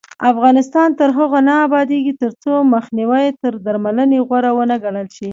افغانستان تر هغو نه ابادیږي، ترڅو مخنیوی تر درملنې غوره ونه ګڼل شي.